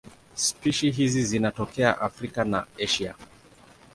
Spishi hizi zinatokea Afrika na Asia.